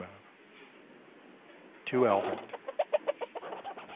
To Albert.